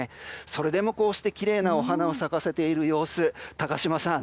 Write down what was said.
それでもこうしてきれいなお花を咲かせている様子高島さん